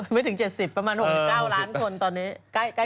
ไม่ถึง๗๐ประมาณ๖๙ล้านคนตอนนี้